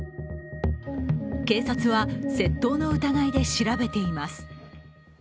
警察は窃盗の疑いで調べています。